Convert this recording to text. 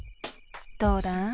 どうだ？